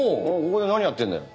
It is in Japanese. ここで何やってるんだよ？